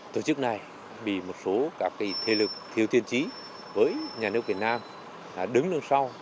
tổ chức này bị một số các cái thế lực thiếu tiên trí với nhà nước việt nam đứng đường sau